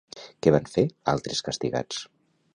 Què van fer altres castigats?